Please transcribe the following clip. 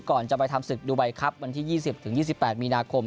ก่อนจะไปทำศึกดูไบครับวันที่๒๐๒๘มีนาคม